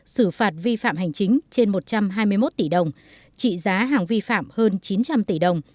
xử phạt vi phạm hành chính trên một trăm hai mươi một tỷ đồng trị giá hàng vi phạm hơn chín trăm linh tỷ đồng